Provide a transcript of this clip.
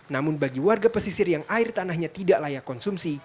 namun bagi warga pesisir yang air tanahnya tidak layak konsumsi